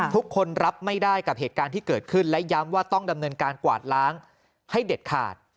ทุกคนรับไม่ได้กับเหตุการณ์ที่เกิดขึ้นและย้ำว่าต้องดำเนินการกวาดล้างให้เด็ดขาด